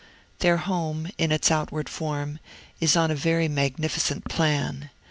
Their home, in its outward form, is on a very magnificent plan.